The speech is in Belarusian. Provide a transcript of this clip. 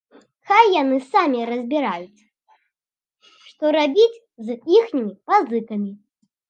Хай яны самі разбіраюцца, што рабіць з іхнімі пазыкамі.